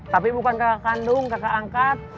tapi bukan kakak kandung kakak angkat